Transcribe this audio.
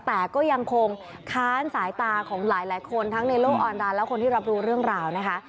แต่ก็ยังคงค้านสายตาของหลายคนทั้งในโลกออนไลน์และคนที่รับรู้เรื่องราวนะคะ